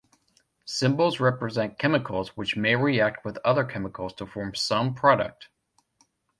Symbols represent chemicals which may react with other chemicals to form some product.